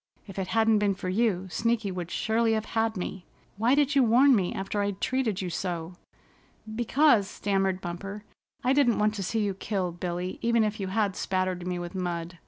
"If it hadn't been for you, Sneaky would surely have had me. Why did you warn me after I'd treated you so?" "Because," stammered Bumper, "I didn't want to see you killed, Billy, even if you had spattered me with mud.